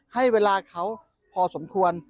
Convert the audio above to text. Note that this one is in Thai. ให้เวลาเขาพอสมควร